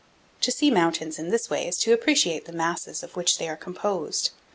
To see mountains in this way is to appreciate the masses of which they are composed.